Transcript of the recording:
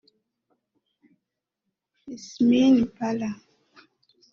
Ismini Palla